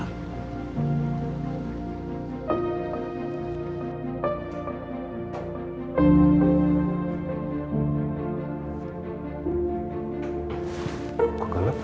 kok galap ya